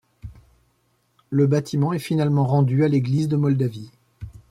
Le bâtiment est finalement rendu à l’Église de Moldavie.